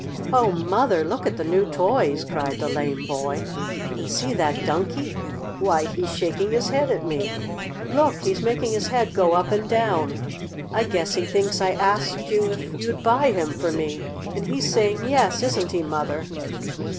"Oh, Mother, look at the new toys!" cried the lame boy. "And see that Donkey! Why, he's shaking his head at me! Look, he's making his head go up and down! I guess he thinks I asked you if you'd buy him for me, and he's saying 'yes'; isn't he, Mother?"